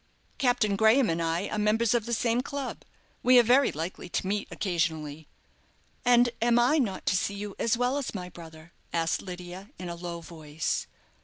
"Captain Graham and I are members of the same club. We are very likely to meet occasionally." "And am I not to see you as well as my brother?" asked Lydia, in a low voice.